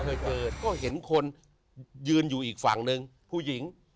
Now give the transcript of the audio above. เคยเปิดก็เห็นคนยืนอยู่อีกฝั่งหนึ่งผู้หญิง